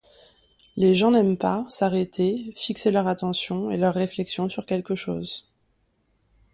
Les gens n’aiment pas s’arrêter, fixer leur attention et leur réflexion sur quelque chose.